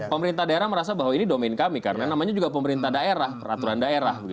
pemerintah daerah merasa bahwa ini domain kami karena namanya juga pemerintah daerah peraturan daerah